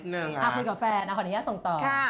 คุยกับแฟนขออนุญาตส่งต่อ